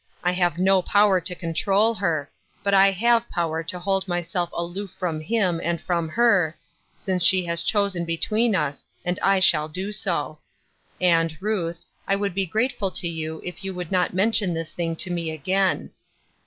I have no power to control her, but I have power to hold myself aloof from him and from her, since she has chosen between us, and I shall do so. And, Ruth, I would be grateful to you if you would not mention this thing to me again."